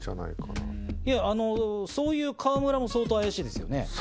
いやあのそういう河村も相当怪しいですよね。